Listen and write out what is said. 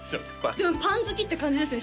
でもパン好きって感じですね